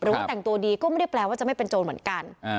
ว่าแต่งตัวดีก็ไม่ได้แปลว่าจะไม่เป็นโจรเหมือนกัน